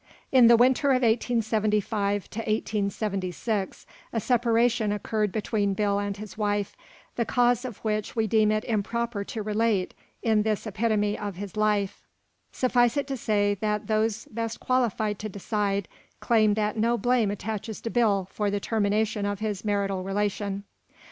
In the winter of 1875 76, a separation occurred between Bill and his wife, the causes of which we deem it improper to relate in this epitome of his life. Suffice it to say that those best qualified to decide, claim that no blame attaches to Bill for the termination of his marital relation.